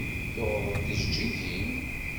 Tuɣeḍ-d tijeǧǧigin?